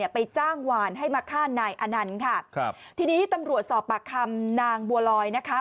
ไปจ้างหวานให้มาฆ่านายอนันต์ค่ะครับทีนี้ตำรวจสอบปากคำนางบัวลอยนะคะ